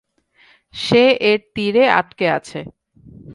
সে এর তীরে আটকে আছে।